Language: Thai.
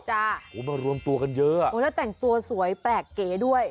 โหมารวมตัวกันเยอะแล้วแต่งตัวสวยแปลกเก๋ด้วย